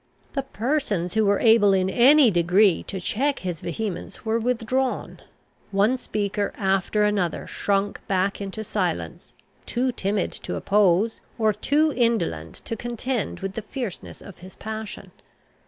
The persons who were able in any degree to check his vehemence were withdrawn. One speaker after another shrunk back into silence, too timid to oppose, or too indolent to contend with, the fierceness of his passion.